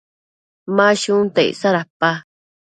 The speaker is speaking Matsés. Ma shunta icsa dapa?